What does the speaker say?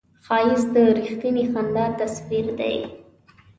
ښایست د رښتینې خندا تصویر دی